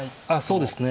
そうですね。